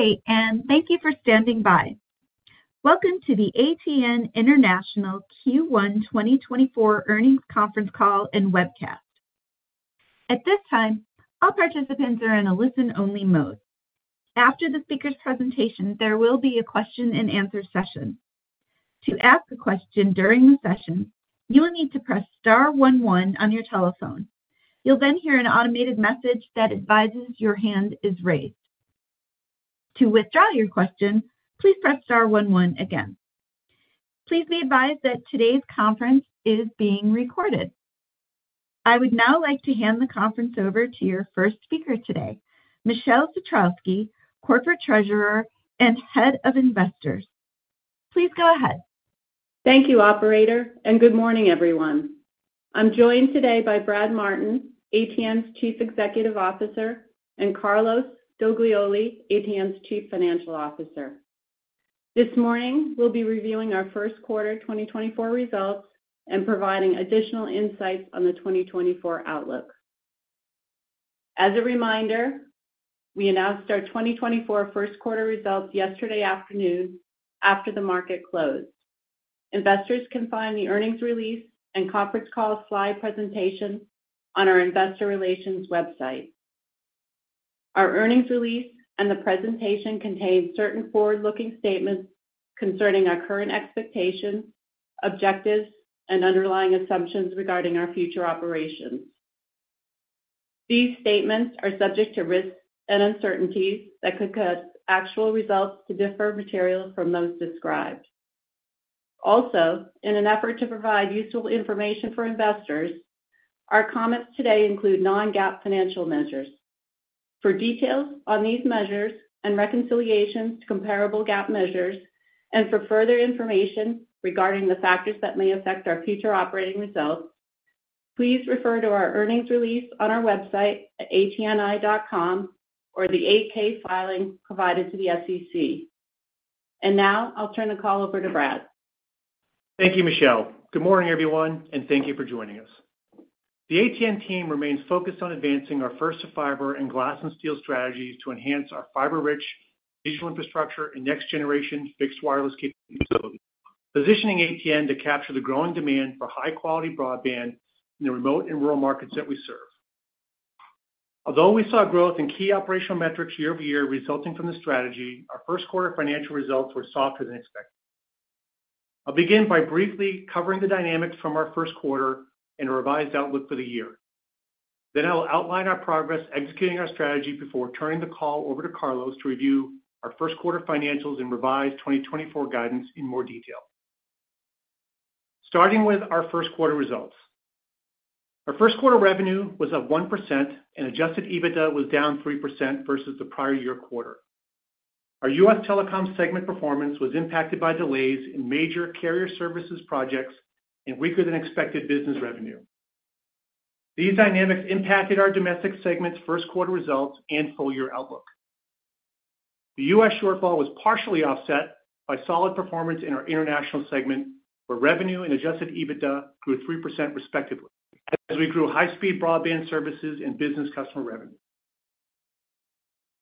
Good day, and thank you for standing by. Welcome to the ATN International Q1 2024 Earnings Conference Call and Webcast. At this time, all participants are in a listen-only mode. After the speaker's presentation, there will be a question-and-answer session. To ask a question during the session, you will need to press star 11 on your telephone. You'll then hear an automated message that advises your hand is raised. To withdraw your question, please press star 11 again. Please be advised that today's conference is being recorded. I would now like to hand the conference over to your first speaker today, Michele Satrowsky, Corporate Treasurer and Head of Investors. Please go ahead. Thank you, operator, and good morning, everyone. I'm joined today by Brad Martin, ATN's Chief Executive Officer, and Carlos Doglioli, ATN's Chief Financial Officer. This morning, we'll be reviewing our first quarter 2024 results and providing additional insights on the 2024 outlook. As a reminder, we announced our 2024 first quarter results yesterday afternoon after the market closed. Investors can find the earnings release and conference call slide presentation on our investor relations website. Our earnings release and the presentation contain certain forward-looking statements concerning our current expectations, objectives, and underlying assumptions regarding our future operations. These statements are subject to risks and uncertainties that could cause actual results to differ materially from those described. Also, in an effort to provide useful information for investors, our comments today include Non-GAAP financial measures. For details on these measures and reconciliations to comparable GAAP measures, and for further information regarding the factors that may affect our future operating results, please refer to our earnings release on our website at atni.com or the 8-K filing provided to the SEC. Now I'll turn the call over to Brad. Thank you, Michele. Good morning, everyone, and thank you for joining us. The ATN team remains focused on advancing our First-to-Fiber and Glass & Steel strategies to enhance our fiber-rich digital infrastructure and next-generation fixed wireless capabilities, positioning ATN to capture the growing demand for high-quality broadband in the remote and rural markets that we serve. Although we saw growth in key operational metrics year-over-year resulting from the strategy, our first quarter financial results were softer than expected. I'll begin by briefly covering the dynamics from our first quarter and a revised outlook for the year. Then I'll outline our progress executing our strategy before turning the call over to Carlos to review our first quarter financials and revised 2024 guidance in more detail. Starting with our first quarter results. Our first quarter revenue was up 1%, and adjusted EBITDA was down 3% versus the prior-year quarter. Our U.S. Telecom segment performance was impacted by delays in major carrier services projects and weaker-than-expected business revenue. These dynamics impacted our domestic segment's first quarter results and full-year outlook. The U.S. shortfall was partially offset by solid performance in our international segment, where revenue and adjusted EBITDA grew 3% respectively as we grew high-speed broadband services and business customer revenue.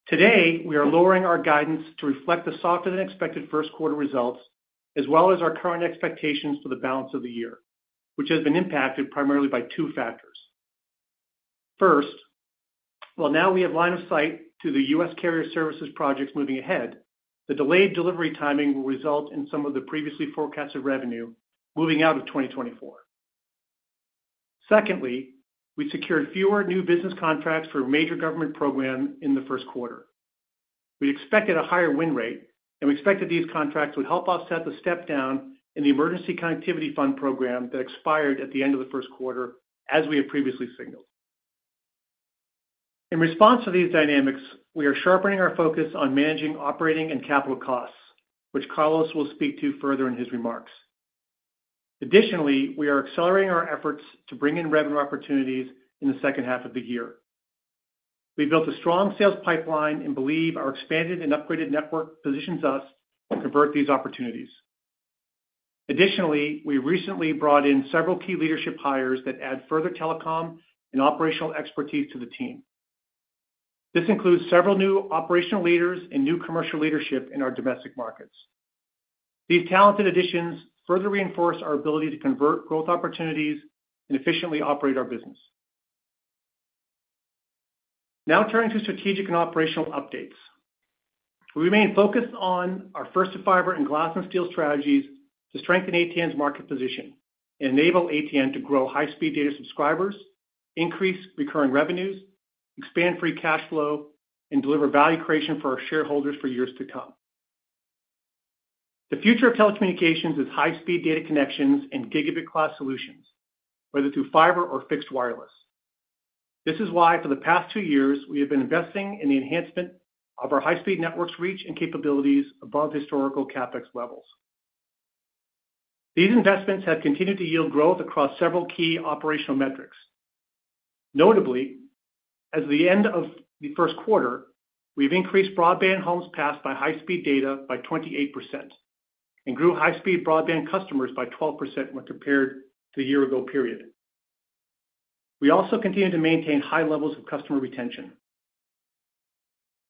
Today, we are lowering our guidance to reflect the softer-than-expected first quarter results as well as our current expectations for the balance of the year, which has been impacted primarily by two factors. First, while now we have line of sight to the U.S. carrier services projects moving ahead, the delayed delivery timing will result in some of the previously forecasted revenue moving out of 2024. Secondly, we secured fewer new business contracts for a major government program in the first quarter. We expected a higher win rate, and we expected these contracts would help offset the step-down in the Emergency Connectivity Fund program that expired at the end of the first quarter, as we have previously signaled. In response to these dynamics, we are sharpening our focus on managing operating and capital costs, which Carlos will speak to further in his remarks. Additionally, we are accelerating our efforts to bring in revenue opportunities in the second half of the year. We've built a strong sales pipeline and believe our expanded and upgraded network positions us to convert these opportunities. Additionally, we recently brought in several key leadership hires that add further telecom and operational expertise to the team. This includes several new operational leaders and new commercial leadership in our domestic markets. These talented additions further reinforce our ability to convert growth opportunities and efficiently operate our business. Now turning to strategic and operational updates. We remain focused on our First-to-Fiber and Glass & Steel strategies to strengthen ATN's market position and enable ATN to grow high-speed data subscribers, increase recurring revenues, expand free cash flow, and deliver value creation for our shareholders for years to come. The future of telecommunications is high-speed data connections and gigabit-class solutions, whether through fiber or fixed wireless. This is why, for the past two years, we have been investing in the enhancement of our high-speed network's reach and capabilities above historical CapEx levels. These investments have continued to yield growth across several key operational metrics. Notably, as of the end of the first quarter, we have increased broadband homes passed by high-speed data by 28% and grew high-speed broadband customers by 12% when compared to the year-ago period. We also continue to maintain high levels of customer retention.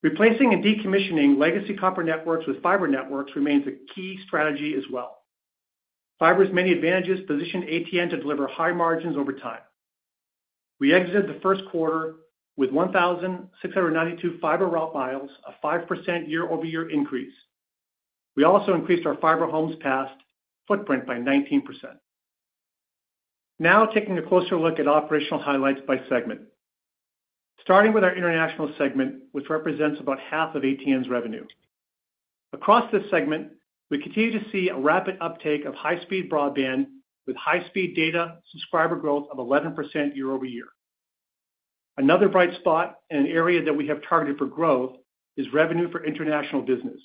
Replacing and decommissioning legacy copper networks with fiber networks remains a key strategy as well. Fiber's many advantages position ATN to deliver high margins over time. We exited the first quarter with 1,692 fiber route miles, a 5% year-over-year increase. We also increased our fiber homes passed footprint by 19%. Now taking a closer look at operational highlights by segment. Starting with our international segment, which represents about half of ATN's revenue. Across this segment, we continue to see a rapid uptake of high-speed broadband with high-speed data subscriber growth of 11% year-over-year. Another bright spot and an area that we have targeted for growth is revenue for international business,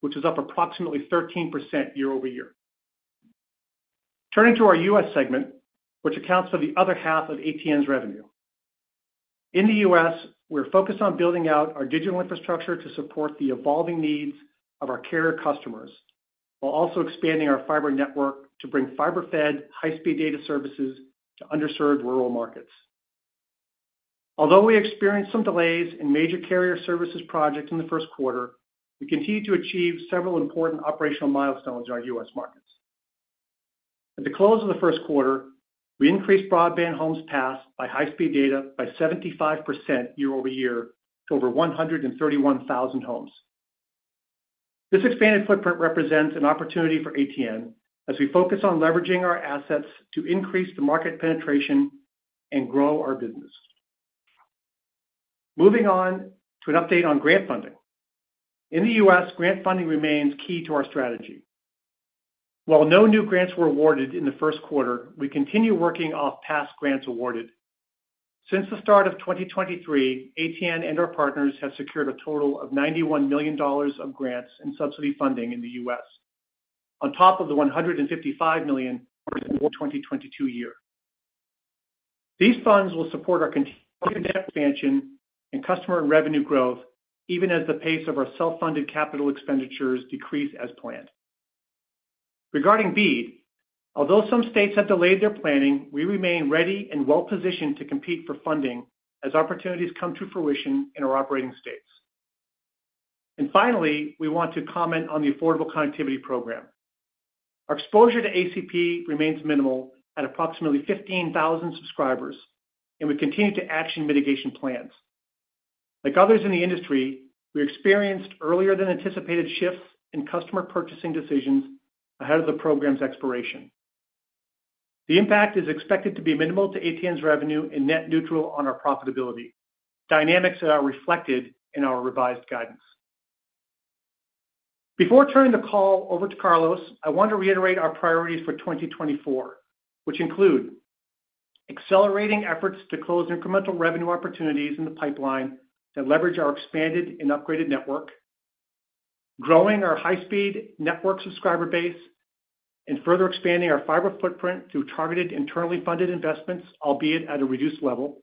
which is up approximately 13% year-over-year. Turning to our U.S. segment, which accounts for the other half of ATN's revenue. In the U.S., we are focused on building out our digital infrastructure to support the evolving needs of our carrier customers, while also expanding our fiber network to bring fiber-fed high-speed data services to underserved rural markets. Although we experienced some delays in major carrier services projects in the first quarter, we continue to achieve several important operational milestones in our U.S. markets. At the close of the first quarter, we increased broadband homes passed by high-speed data by 75% year-over-year to over 131,000 homes. This expanded footprint represents an opportunity for ATN as we focus on leveraging our assets to increase the market penetration and grow our business. Moving on to an update on grant funding. In the U.S., grant funding remains key to our strategy. While no new grants were awarded in the first quarter, we continue working off past grants awarded. Since the start of 2023, ATN and our partners have secured a total of $91 million of grants and subsidy funding in the U.S., on top of the $155 million from the 2022 year. These funds will support our continued net expansion and customer revenue growth, even as the pace of our self-funded capital expenditures decreases as planned. Regarding BEAD, although some states have delayed their planning, we remain ready and well-positioned to compete for funding as opportunities come to fruition in our operating states. Finally, we want to comment on the Affordable Connectivity Program. Our exposure to ACP remains minimal at approximately 15,000 subscribers, and we continue to action mitigation plans. Like others in the industry, we experienced earlier-than-anticipated shifts in customer purchasing decisions ahead of the program's expiration. The impact is expected to be minimal to ATN's revenue and net neutral on our profitability. Dynamics that are reflected in our revised guidance. Before turning the call over to Carlos, I want to reiterate our priorities for 2024, which include: accelerating efforts to close incremental revenue opportunities in the pipeline that leverage our expanded and upgraded network, growing our high-speed network subscriber base, and further expanding our fiber footprint through targeted, internally funded investments, albeit at a reduced level,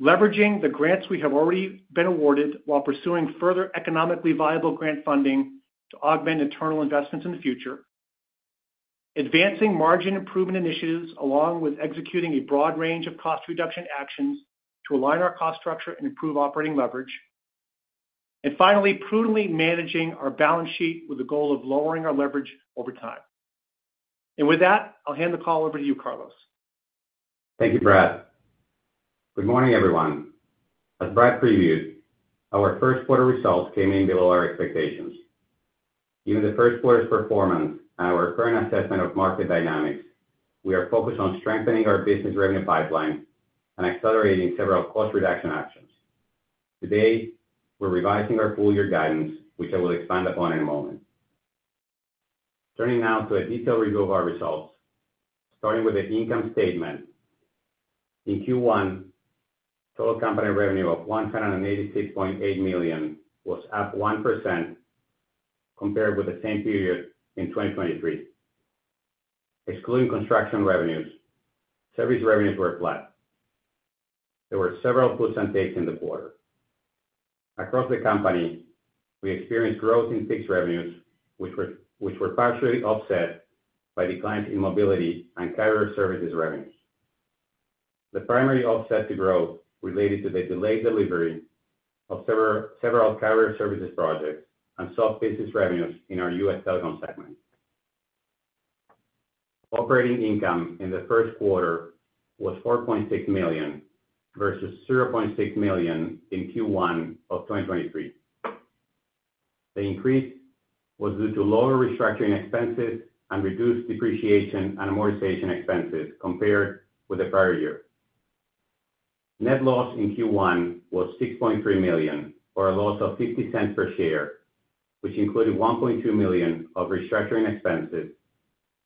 leveraging the grants we have already been awarded while pursuing further economically viable grant funding to augment internal investments in the future, advancing margin improvement initiatives along with executing a broad range of cost reduction actions to align our cost structure and improve operating leverage, and finally, prudently managing our balance sheet with the goal of lowering our leverage over time. With that, I will hand the call over to you, Carlos. Thank you, Brad. Good morning, everyone. As Brad previewed, our first quarter results came in below our expectations. Given the first quarter's performance and our current assessment of market dynamics, we are focused on strengthening our business revenue pipeline and accelerating several cost reduction actions. Today, we are revising our full-year guidance, which I will expand upon in a moment. Turning now to a detailed review of our results, starting with the income statement. In Q1, total company revenue of $186.8 million was up 1% compared with the same period in 2023. Excluding construction revenues, service revenues were flat. There were several puts and takes in the quarter. Across the company, we experienced growth in fixed revenues, which were partially offset by declines in mobility and carrier services revenues. The primary offset to growth related to the delayed delivery of several carrier services projects and soft business revenues in our U.S. Telecom segment. Operating income in the first quarter was $4.6 million versus $0.6 million in Q1 of 2023. The increase was due to lower restructuring expenses and reduced depreciation and amortization expenses compared with the prior year. Net loss in Q1 was $6.3 million, or a loss of $0.50 per share, which included $1.2 million of restructuring expenses,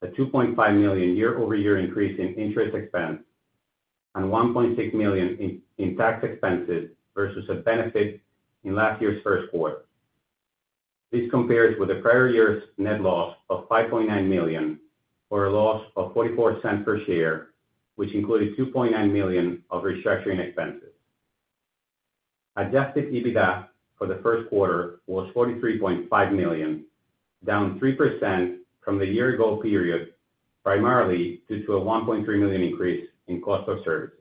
a $2.5 million year-over-year increase in interest expense, and $1.6 million in tax expenses versus a benefit in last year's first quarter. This compares with the prior year's net loss of $5.9 million, or a loss of $0.44 per share, which included $2.9 million of restructuring expenses. Adjusted EBITDA for the first quarter was $43.5 million, down 3% from the year-ago period, primarily due to a $1.3 million increase in cost of services.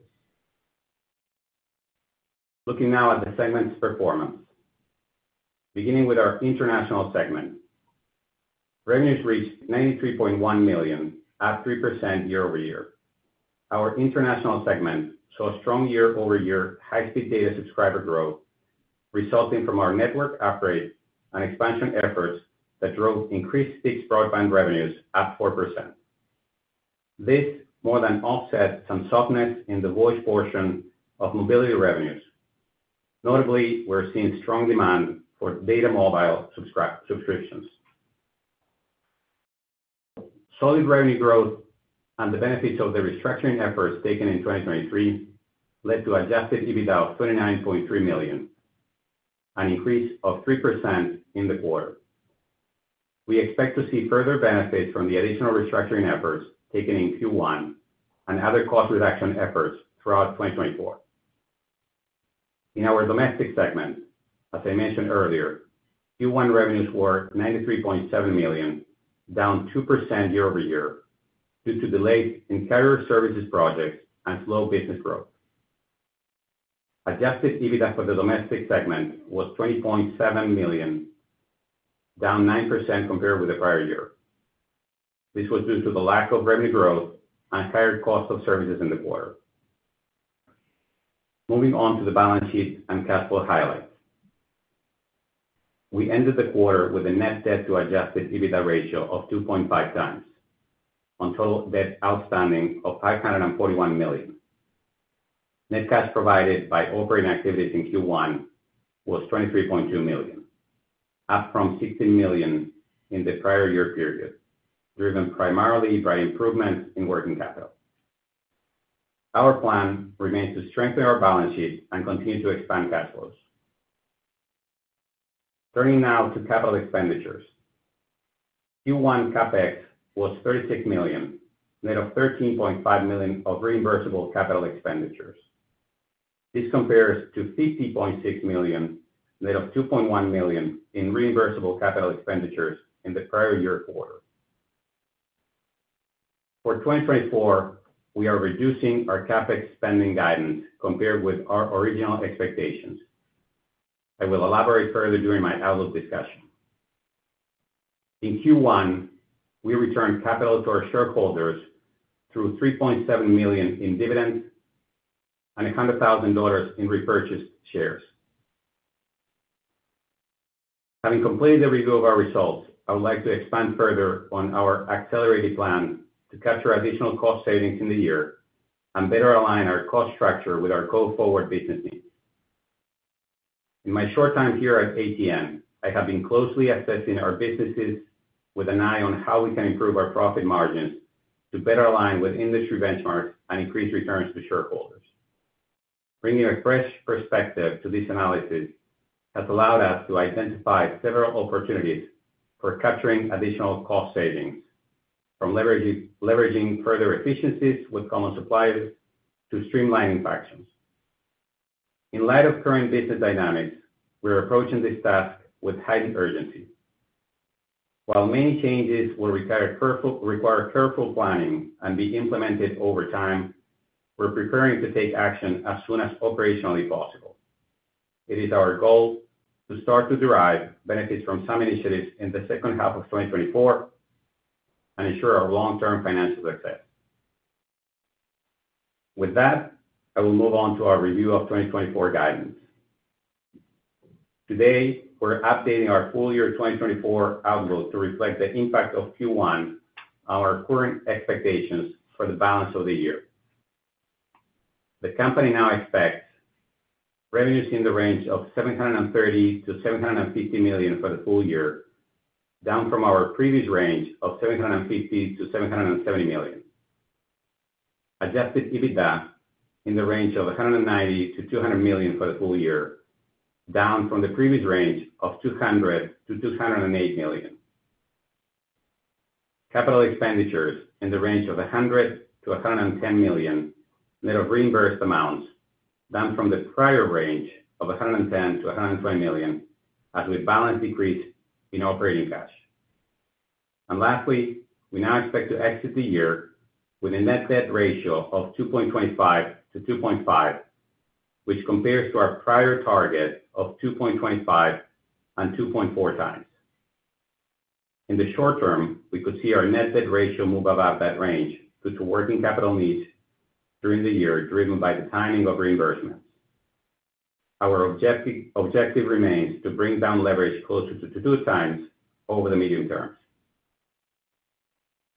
Looking now at the segment's performance. Beginning with our international segment, revenues reached $93.1 million, up 3% year-over-year. Our international segment saw strong year-over-year high-speed data subscriber growth, resulting from our network upgrade and expansion efforts that drove increased fixed broadband revenues, up 4%. This more than offset some softness in the voice portion of mobility revenues. Notably, we are seeing strong demand for mobile data subscriptions. Solid revenue growth and the benefits of the restructuring efforts taken in 2023 led to adjusted EBITDA of $29.3 million, an increase of 3% in the quarter. We expect to see further benefits from the additional restructuring efforts taken in Q1 and other cost reduction efforts throughout 2024. In our domestic segment, as I mentioned earlier, Q1 revenues were $93.7 million, down 2% year-over-year due to delays in carrier services projects and slow business growth. Adjusted EBITDA for the domestic segment was $20.7 million, down 9% compared with the prior year. This was due to the lack of revenue growth and higher cost of services in the quarter. Moving on to the balance sheet and cash flow highlights. We ended the quarter with a net debt-to-adjusted EBITDA ratio of 2.5 times, on total debt outstanding of $541 million. Net cash provided by operating activities in Q1 was $23.2 million, up from $16 million in the prior year period, driven primarily by improvements in working capital. Our plan remains to strengthen our balance sheet and continue to expand cash flows. Turning now to capital expenditures. Q1 CapEx was $36 million, net of $13.5 million of reimbursable capital expenditures. This compares to $50.6 million, net of $2.1 million in reimbursable capital expenditures in the prior year quarter. For 2024, we are reducing our CapEx spending guidance compared with our original expectations. I will elaborate further during my outlook discussion. In Q1, we returned capital to our shareholders through $3.7 million in dividends and $100,000 in repurchased shares. Having completed the review of our results, I would like to expand further on our accelerated plan to capture additional cost savings in the year and better align our cost structure with our go-forward business needs. In my short time here at ATN, I have been closely assessing our businesses with an eye on how we can improve our profit margins to better align with industry benchmarks and increase returns to shareholders. Bringing a fresh perspective to this analysis has allowed us to identify several opportunities for capturing additional cost savings, from leveraging further efficiencies with common suppliers to streamlining functions. In light of current business dynamics, we are approaching this task with heightened urgency. While many changes will require careful planning and be implemented over time, we are preparing to take action as soon as operationally possible. It is our goal to start to derive benefits from some initiatives in the second half of 2024 and ensure our long-term financial success. With that, I will move on to our review of 2024 guidance. Today, we are updating our full-year 2024 outlook to reflect the impact of Q1 on our current expectations for the balance of the year. The company now expects revenues in the range of $730-$750 million for the full year, down from our previous range of $750-$770 million. Adjusted EBITDA in the range of $190-$200 million for the full year, down from the previous range of $200-$208 million. Capital expenditures in the range of $100-$110 million, net of reimbursed amounts, down from the prior range of $110-$120 million as well as balance decrease in operating cash. Lastly, we now expect to exit the year with a net debt ratio of 2.25-2.5, which compares to our prior target of 2.25-2.4x. In the short term, we could see our net debt ratio move above that range due to working capital needs during the year, driven by the timing of reimbursements. Our objective remains to bring down leverage closer to 2x over the medium term.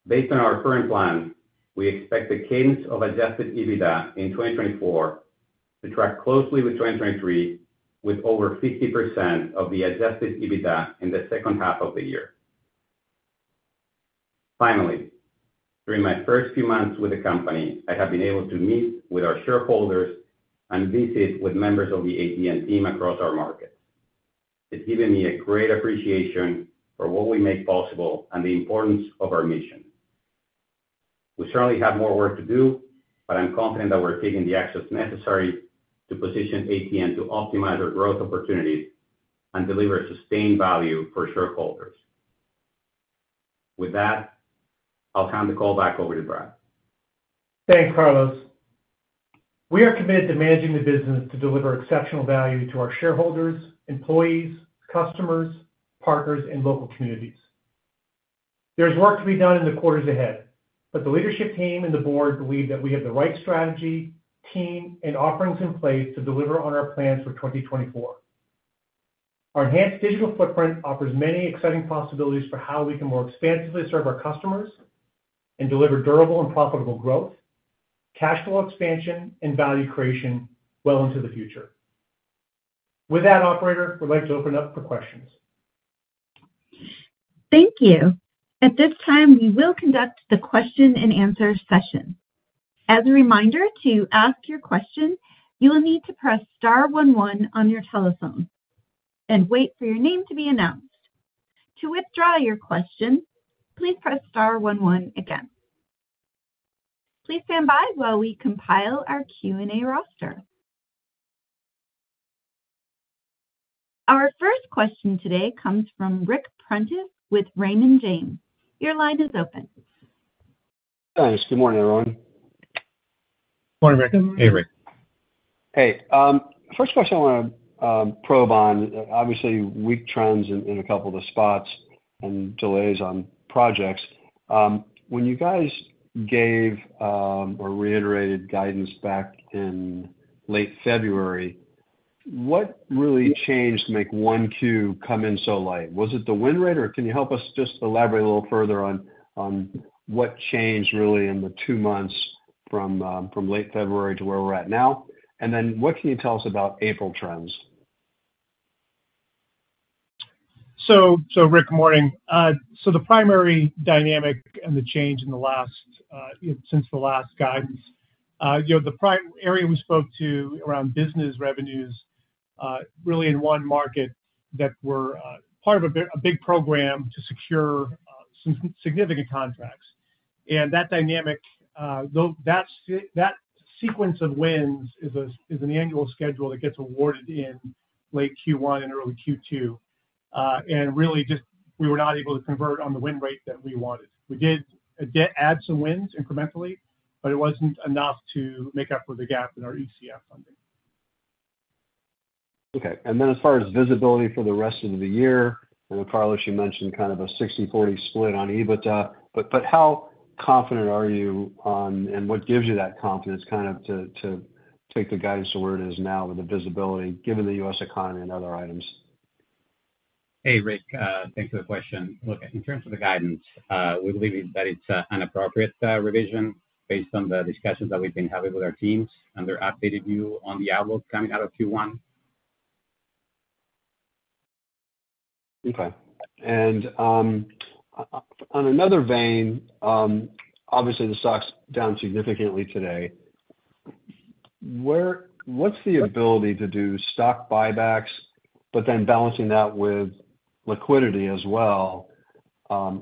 Based on our current plan, we expect the cadence of adjusted EBITDA in 2024 to track closely with 2023, with over 50% of the adjusted EBITDA in the second half of the year. Finally, during my first few months with the company, I have been able to meet with our shareholders and visit with members of the ATN team across our markets. It's given me a great appreciation for what we make possible and the importance of our mission. We certainly have more work to do, but I'm confident that we're taking the actions necessary to position ATN to optimize our growth opportunities and deliver sustained value for shareholders. With that, I'll hand the call back over to Brad. Thanks, Carlos. We are committed to managing the business to deliver exceptional value to our shareholders, employees, customers, partners, and local communities. There is work to be done in the quarters ahead, but the leadership team and the board believe that we have the right strategy, team, and offerings in place to deliver on our plans for 2024. Our enhanced digital footprint offers many exciting possibilities for how we can more expansively serve our customers and deliver durable and profitable growth, cash flow expansion, and value creation well into the future. With that, operator, we'd like to open up for questions. Thank you. At this time, we will conduct the question-and-answer session. As a reminder, to ask your question, you will need to press star 11 on your telephone and wait for your name to be announced. To withdraw your question, please press star 11 again. Please stand by while we compile our Q&A roster. Our first question today comes from Ric Prentiss with Raymond James. Your line is open. Thanks. Good morning, everyone. Morning, Ric. Hey, Ric. Hey. First question I want to probe on, obviously, weak trends in a couple of the spots and delays on projects. When you guys gave or reiterated guidance back in late February, what really changed to make 1Q come in so light? Was it the win rate, or can you help us just elaborate a little further on what changed really in the two months from late February to where we're at now? And then what can you tell us about April trends? Ric, good morning. The primary dynamic and the change since the last guidance, the area we spoke to around business revenues, really in one market that were part of a big program to secure significant contracts. That dynamic, that sequence of wins, is an annual schedule that gets awarded in late Q1 and early Q2, and really just we were not able to convert on the win rate that we wanted. We did add some wins incrementally, but it wasn't enough to make up for the gap in our ECF funding. Okay. And then as far as visibility for the rest of the year, I know, Carlos, you mentioned kind of a 60/40 split on EBITDA, but how confident are you, and what gives you that confidence kind of to take the guidance to where it is now with the visibility, given the U.S. economy and other items? Hey, Ric. Thanks for the question. Look, in terms of the guidance, we believe that it's an appropriate revision based on the discussions that we've been having with our teams and their updated view on the outlook coming out of Q1. Okay. In another vein, obviously, the stock's down significantly today. What's the ability to do stock buybacks, but then balancing that with liquidity as well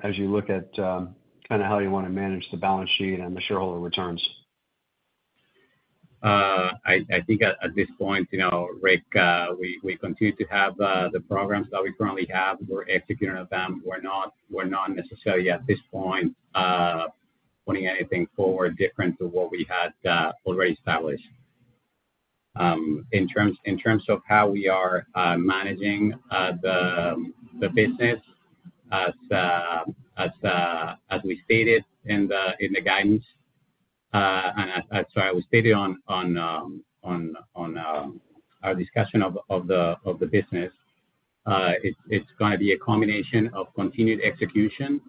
as you look at kind of how you want to manage the balance sheet and the shareholder returns? I think at this point, Ric, we continue to have the programs that we currently have. We're executing on them. We're not necessarily, at this point, putting anything forward different to what we had already established. In terms of how we are managing the business, as we stated in the guidance and as, sorry, I stated on our discussion of the business, it's going to be a combination of continued execution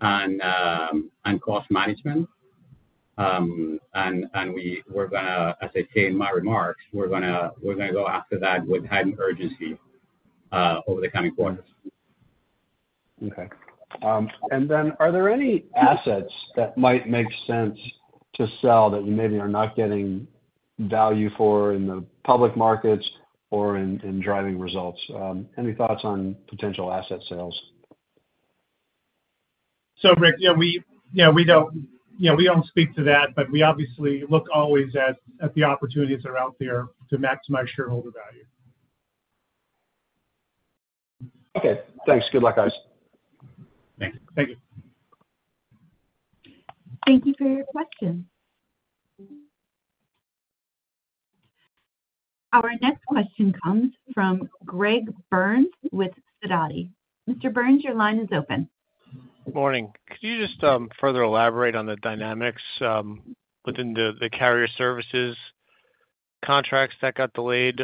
and cost management. We're going to, as I say in my remarks, we're going to go after that with heightened urgency over the coming quarters. Okay. Are there any assets that might make sense to sell that you maybe are not getting value for in the public markets or in driving results? Any thoughts on potential asset sales? So, Ric, yeah, we don't speak to that, but we obviously look always at the opportunities that are out there to maximize shareholder value. Okay. Thanks. Good luck, guys. Thank you. Thank you. Thank you for your question. Our next question comes from Greg Burns with Sidoti. Mr. Burns, your line is open. Good morning. Could you just further elaborate on the dynamics within the carrier services contracts that got delayed?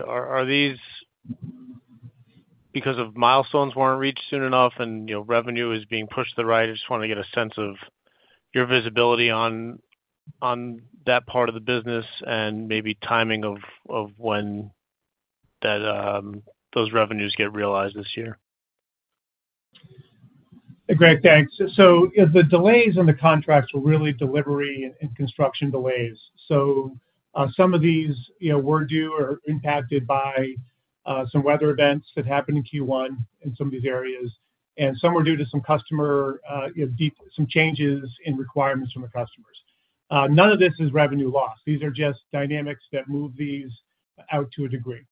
Because milestones weren't reached soon enough and revenue is being pushed to the right, I just want to get a sense of your visibility on that part of the business and maybe timing of when those revenues get realized this year. Great. Thanks. So the delays in the contracts were really delivery and construction delays. So some of these were due or impacted by some weather events that happened in Q1 in some of these areas, and some were due to some customer-driven changes in requirements from the customers. None of this is revenue loss. These are just dynamics that move these out to a degree.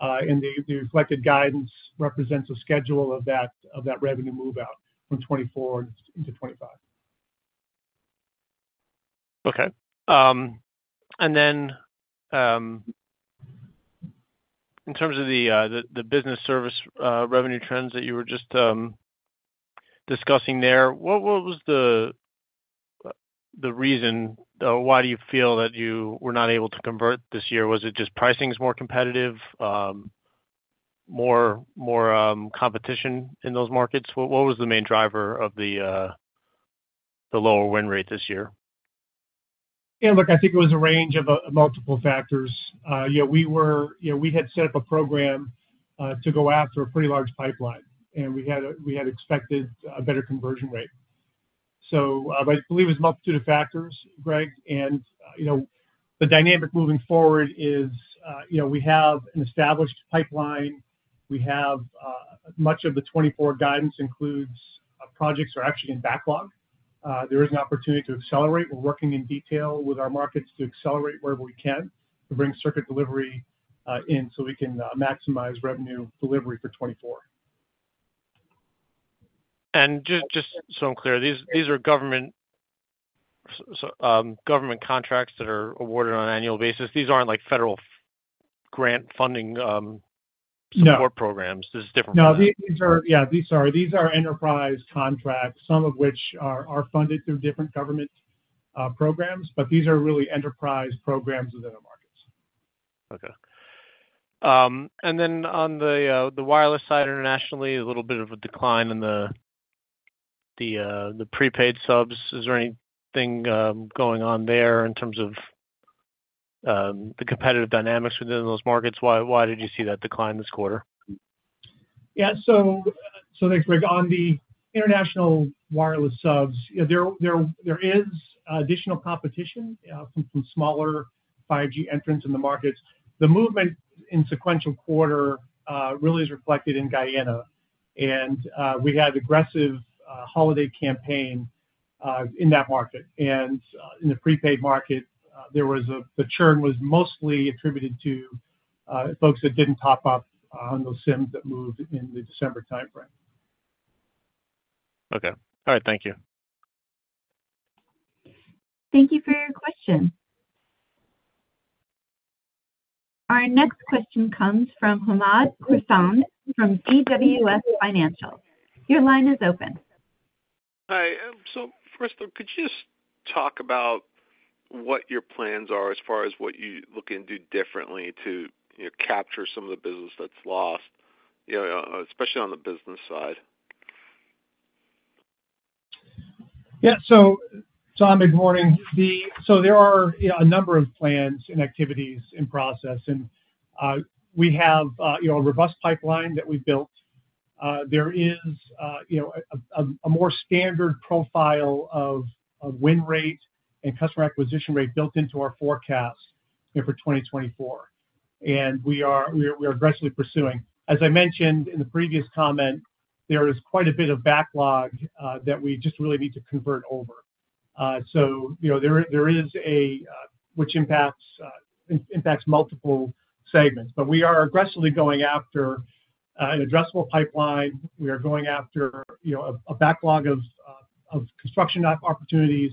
The reflected guidance represents a schedule of that revenue moveout from 2024 into 2025. Okay. And then in terms of the business service revenue trends that you were just discussing there, what was the reason why do you feel that you were not able to convert this year? Was it just pricing is more competitive, more competition in those markets? What was the main driver of the lower win rate this year? Yeah. Look, I think it was a range of multiple factors. We had set up a program to go after a pretty large pipeline, and we had expected a better conversion rate. So I believe it was a multitude of factors, Greg, and the dynamic moving forward is we have an established pipeline. Much of the 2024 guidance includes projects are actually in backlog. There is an opportunity to accelerate. We're working in detail with our markets to accelerate wherever we can to bring circuit delivery in so we can maximize revenue delivery for 2024. Just so I'm clear, these are government contracts that are awarded on an annual basis. These aren't federal grant funding support programs. This is different from. No, yeah, sorry. These are enterprise contracts, some of which are funded through different government programs, but these are really enterprise programs within our markets. Okay. And then on the wireless side internationally, a little bit of a decline in the prepaid subs. Is there anything going on there in terms of the competitive dynamics within those markets? Why did you see that decline this quarter? Yeah. Greg, on the international wireless subs, there is additional competition from smaller 5G entrants in the markets. The movement in sequential quarter really is reflected in Guyana. We had an aggressive holiday campaign in that market. In the prepaid market, the churn was mostly attributed to folks that didn't top up on those SIMs that moved in the December timeframe. Okay. All right. Thank you. Thank you for your question. Our next question comes from Hamed Khorsand from BWS Financial. Your line is open. Hi. So first, could you just talk about what your plans are as far as what you look and do differently to capture some of the business that's lost, especially on the business side? Yeah. So Khorsand, good morning. So there are a number of plans and activities in process. And we have a robust pipeline that we've built. There is a more standard profile of win rate and customer acquisition rate built into our forecast for 2024. And we are aggressively pursuing. As I mentioned in the previous comment, there is quite a bit of backlog that we just really need to convert over. Which impacts multiple segments. But we are aggressively going after an addressable pipeline. We are going after a backlog of construction opportunities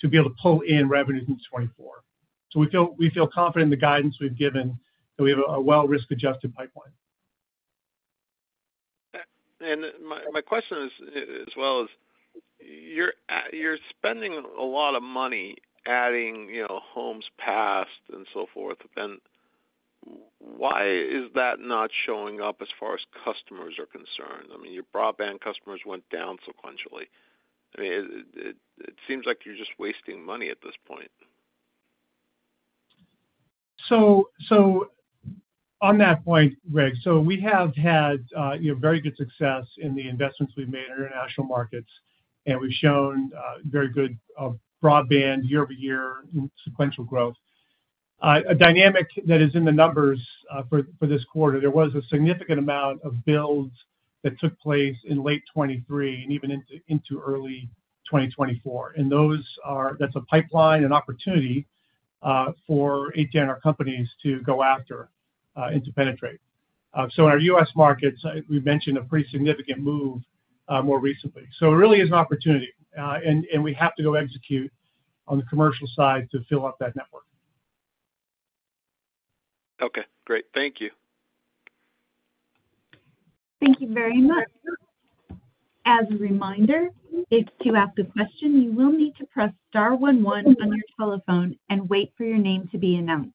to be able to pull in revenues in 2024. So we feel confident in the guidance we've given that we have a well-risk-adjusted pipeline. My question is as well, is you're spending a lot of money adding homes passed and so forth. Why is that not showing up as far as customers are concerned? I mean, your broadband customers went down sequentially. I mean, it seems like you're just wasting money at this point. So on that point, so we have had very good success in the investments we've made in international markets, and we've shown very good broadband year-over-year sequential growth. A dynamic that is in the numbers for this quarter. There was a significant amount of builds that took place in late 2023 and even into early 2024. And that's a pipeline, an opportunity for ATN companies to go after and to penetrate. So in our U.S. markets, we mentioned a pretty significant move more recently. So it really is an opportunity, and we have to go execute on the commercial side to fill up that network. Okay. Great. Thank you. Thank you very much. As a reminder, if you ask a question, you will need to press star 11 on your telephone and wait for your name to be announced.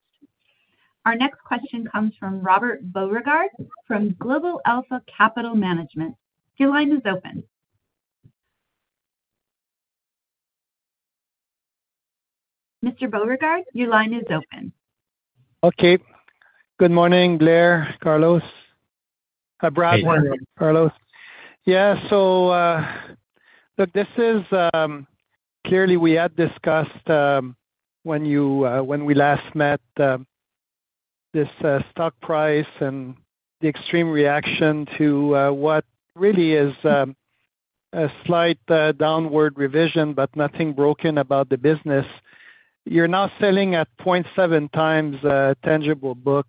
Our next question comes from Robert Beauregard from Global Alpha Capital Management. Your line is open. Mr. Beauregard, your line is open. Okay. Good morning, Brad, Carlos. Hi, Robert. good morning. Carlos. Yeah. So look, this is clearly we had discussed when we last met this stock price and the extreme reaction to what really is a slight downward revision, but nothing broken about the business. You're now selling at 0.7x tangible book.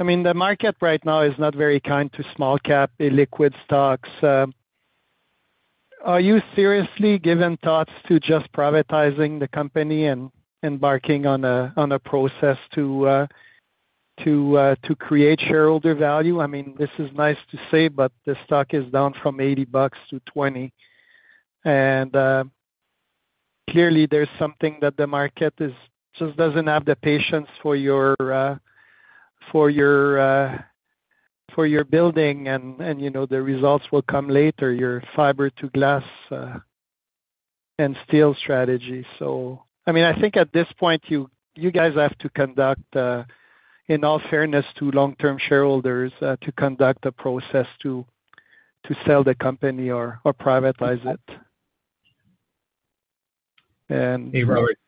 I mean, the market right now is not very kind to small-cap, illiquid stocks. Are you seriously giving thoughts to just privatizing the company and embarking on a process to create shareholder value? I mean, this is nice to say, but the stock is down from $80 to $20. And clearly, there's something that the market just doesn't have the patience for your building, and the results will come later, your Fiber to Glass & Steel strategy. So I mean, I think at this point, you guys have to conduct, in all fairness to long-term shareholders, to conduct a process to sell the company or privatize it. And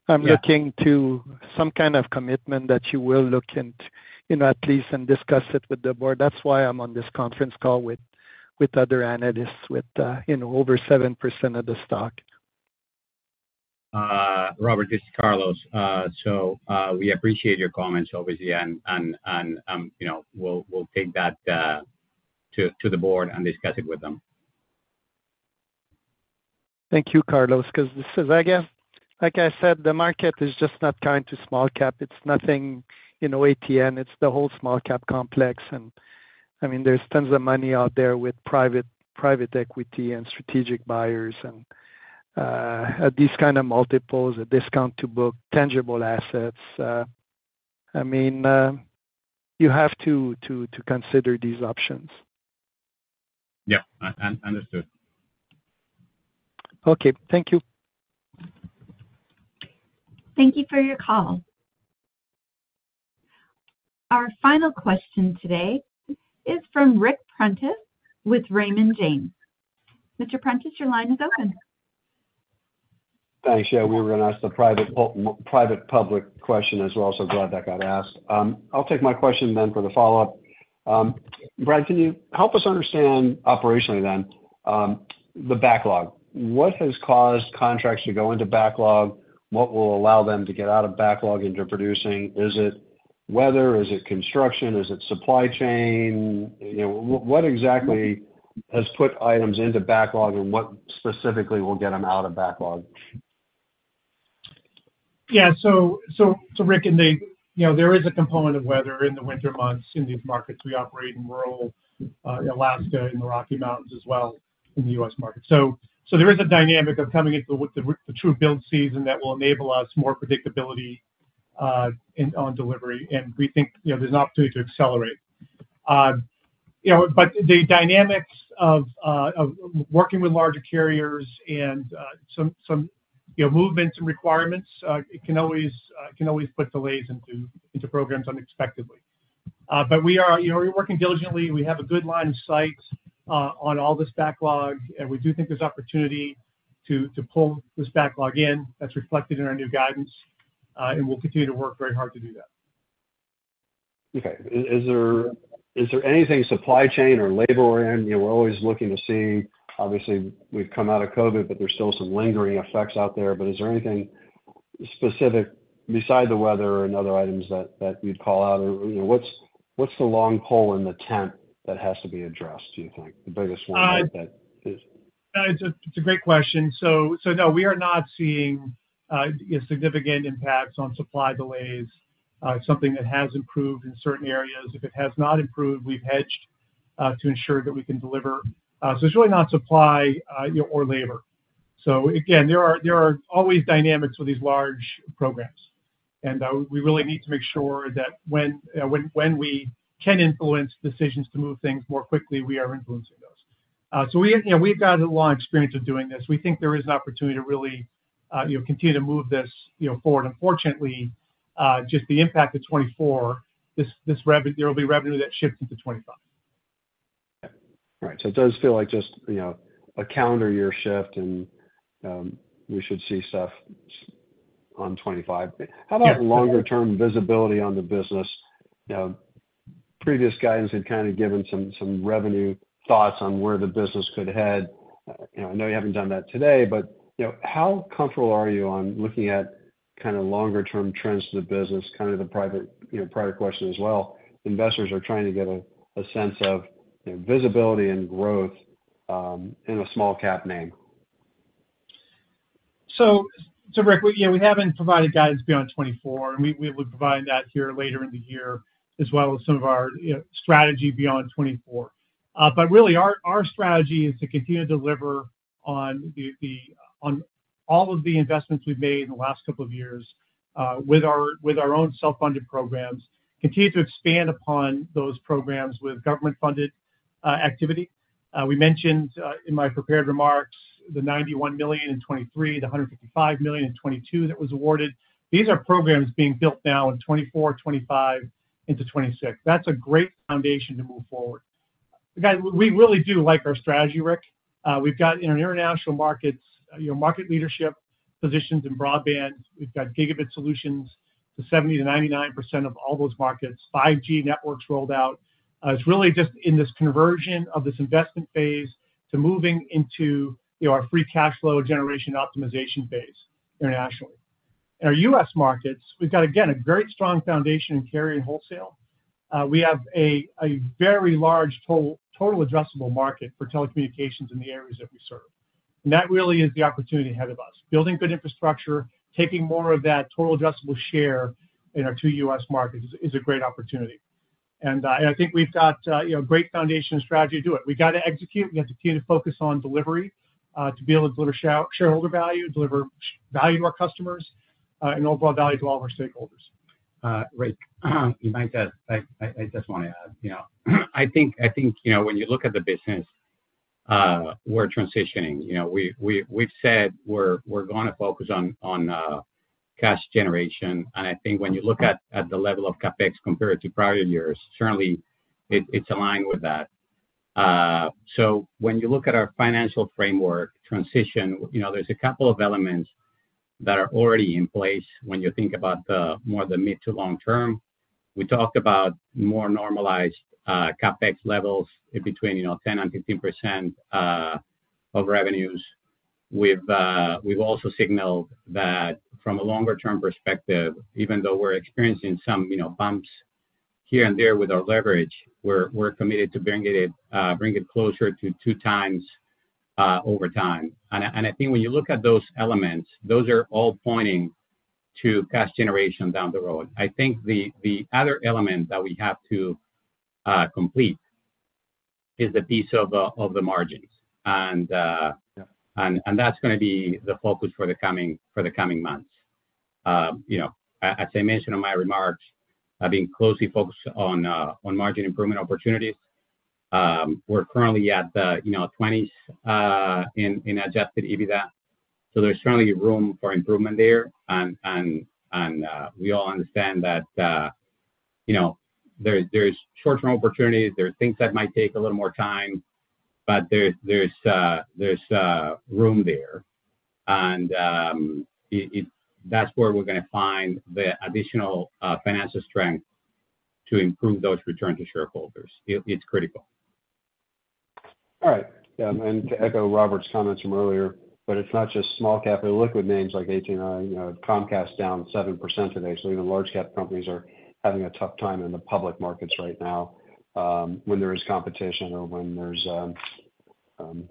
I'm looking to some kind of commitment that you will look into at least and discuss it with the board. That's why I'm on this conference call with other analysts with over 7% of the stock. Robert, this is Carlos. We appreciate your comments, obviously, and we'll take that to the board and discuss it with them. Thank you, Carlos, because this is, I guess, like I said, the market is just not kind to small-cap. It's nothing ATN. It's the whole small-cap complex. I mean, there's tons of money out there with private equity and strategic buyers and these kind of multiples, a discount to book, tangible assets. I mean, you have to consider these options. Yeah. Understood. Okay. Thank you. Thank you for your call. Our final question today is from Ric Prentiss with Raymond James. Mr. Prentiss, your line is open. Thanks. Yeah, we were going to ask the private-public question as well. So glad that got asked. I'll take my question then for the follow-up. Brad, can you help us understand operationally then the backlog? What has caused contracts to go into backlog? What will allow them to get out of backlog into producing? Is it weather? Is it construction? Is it supply chain? What exactly has put items into backlog, and what specifically will get them out of backlog? Yeah. So Ric, and there is a component of weather in the winter months in these markets. We operate in rural Alaska and the Rocky Mountains as well in the U.S. markets. So there is a dynamic of coming into the true build season that will enable us more predictability on delivery. And we think there's an opportunity to accelerate. But the dynamics of working with larger carriers and some movements and requirements, it can always put delays into programs unexpectedly. But we are working diligently. We have a good line of sight on all this backlog, and we do think there's opportunity to pull this backlog in. That's reflected in our new guidance, and we'll continue to work very hard to do that. Okay. Is there anything supply chain or labor-oriented? We're always looking to see obviously, we've come out of COVID, but there's still some lingering effects out there. But is there anything specific besides the weather and other items that you'd call out? What's the long pole in the tent that has to be addressed, do you think, the biggest one that is? It's a great question. So no, we are not seeing significant impacts on supply delays, something that has improved in certain areas. If it has not improved, we've hedged to ensure that we can deliver. So it's really not supply or labor. So again, there are always dynamics with these large programs. And we really need to make sure that when we can influence decisions to move things more quickly, we are influencing those. So we've got a long experience of doing this. We think there is an opportunity to really continue to move this forward. Unfortunately, just the impact of 2024, there will be revenue that shifts into 2025. Yeah. Right. So it does feel like just a calendar year shift, and we should see stuff on 2025. How about longer-term visibility on the business? Previous guidance had kind of given some revenue thoughts on where the business could head. I know you haven't done that today, but how comfortable are you on looking at kind of longer-term trends to the business? Kind of the prior question as well. Investors are trying to get a sense of visibility and growth in a small-cap name. So Ric, we haven't provided guidance beyond 2024, and we will be providing that here later in the year as well as some of our strategy beyond 2024. But really, our strategy is to continue to deliver on all of the investments we've made in the last couple of years with our own self-funded programs, continue to expand upon those programs with government-funded activity. We mentioned in my prepared remarks the $91 million in 2023, the $155 million in 2022 that was awarded. These are programs being built now in 2024, 2025, into 2026. That's a great foundation to move forward. Guys, we really do like our strategy, Ric. We've got in our international markets, market leadership positions in broadband. We've got gigabit solutions to 70%-99% of all those markets, 5G networks rolled out. It's really just in this conversion of this investment phase to moving into our free cash flow generation optimization phase internationally. In our U.S. markets, we've got, again, a very strong foundation in carrier wholesale. We have a very large total addressable market for telecommunications in the areas that we serve. That really is the opportunity ahead of us. Building good infrastructure, taking more of that total addressable share in our two U.S. markets is a great opportunity. I think we've got a great foundation and strategy to do it. We got to execute. We have to continue to focus on delivery to be able to deliver shareholder value, deliver value to our customers, and overall value to all of our stakeholders. Ric, I just want to add. I think when you look at the business, we're transitioning. We've said we're going to focus on cash generation. And I think when you look at the level of CapEx compared to prior years, certainly, it's aligned with that. So when you look at our financial framework transition, there's a couple of elements that are already in place when you think about more the mid- to long-term. We talked about more normalized CapEx levels between 10%-15% of revenues. We've also signaled that from a longer-term perspective, even though we're experiencing some bumps here and there with our leverage, we're committed to bring it closer to 2x over time. And I think when you look at those elements, those are all pointing to cash generation down the road. I think the other element that we have to complete is the piece of the margins. That's going to be the focus for the coming months. As I mentioned in my remarks, I've been closely focused on margin improvement opportunities. We're currently at the 20s in adjusted EBITDA. There's certainly room for improvement there. We all understand that there's short-term opportunities. There's things that might take a little more time, but there's room there. That's where we're going to find the additional financial strength to improve those returns to shareholders. It's critical. All right. To echo Robert's comments from earlier, but it's not just small-cap or illiquid names like ATNI. Comcast is down 7% today. So even large-cap companies are having a tough time in the public markets right now when there is competition or when there's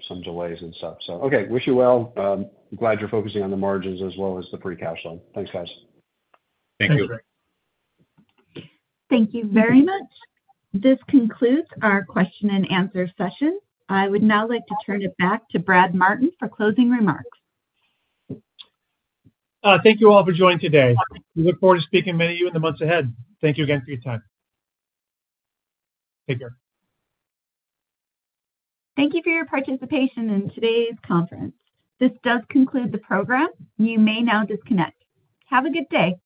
some delays and stuff. Okay, wish you well. Glad you're focusing on the margins as well as the free cash flow. Thanks, guys. Thank you. Thank you very much. This concludes our question-and-answer session. I would now like to turn it back to Brad Martin for closing remarks. Thank you all for joining today. We look forward to speaking to many of you in the months ahead. Thank you again for your time. Take care. Thank you for your participation in today's conference. This does conclude the program. You may now disconnect. Have a good day.